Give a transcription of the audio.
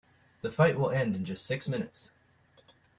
The fight will end in just six minutes.